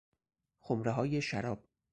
خمرههای شراب